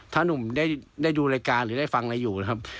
ถ้านุ่มได้ดูรายการหรือได้ฟังอะไรอยู่นะครับ